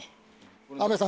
阿部さん。